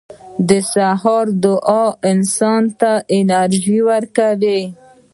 • د سهار دعا انسان ته انرژي ورکوي.